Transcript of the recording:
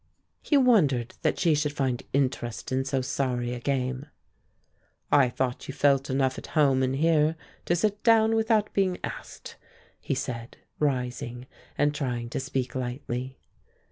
He wondered that she should find interest in so sorry a game. "I thought you felt enough at home in here to sit down without being asked," he said, rising, and trying to speak lightly.